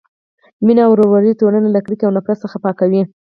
مینه او ورورولي ټولنه له کرکې او نفرت څخه پاکوي.